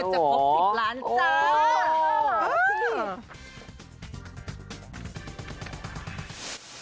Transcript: อีกนิดเดียวจะปลง๑๐ล้านจ้า